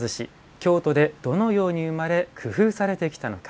京都でどのように生まれ工夫されてきたのか。